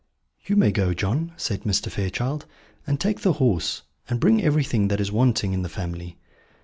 "You may go, John," said Mr. Fairchild; "and take the horse, and bring everything that is wanting in the family."